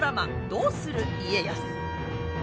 「どうする家康」。